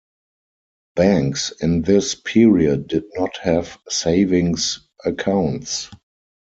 Banks in this period did not have savings accounts.